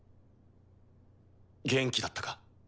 元気だったか？